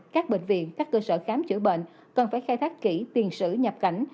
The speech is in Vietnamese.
các bệnh viện các cơ sở khám chữa bệnh cần phải khai thác kỹ tiền sử nhập cảnh